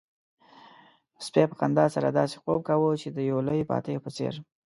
سپي په خندا سره داسې خوب کاوه چې د يو لوی فاتح په څېر.